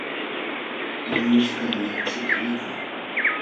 Rinqushkaqmi akhuta mikun.